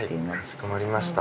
かしこまりました。